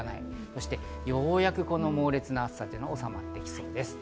そしてようやく、この猛烈な暑さ、おさまってきそうです。